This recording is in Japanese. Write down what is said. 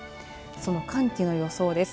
その寒気の予想です。